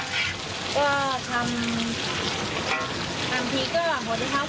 ก็ทำบางทีก็หลั่งหัวเท้า๑๐กิโลกรัมครับ